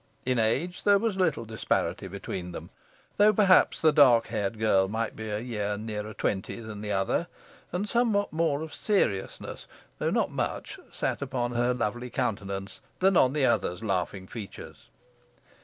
In age, there was little disparity between them, though perhaps the dark haired girl might be a year nearer twenty than the other, and somewhat more of seriousness, though not much, sat upon her lovely countenance than on the other's laughing features.